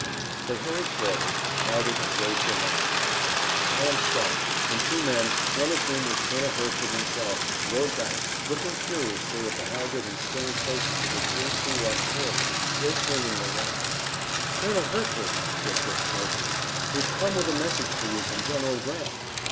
They hurried forward, shouted and waved their rifles. The column stopped, and two men, one of whom was Colonel Hertford himself, rode back, looking curiously at the haggard and stained faces of the two who walked forward, still swinging their rifles. "Colonel Hertford," said Dick joyfully, "we've come with a message for you from General Grant."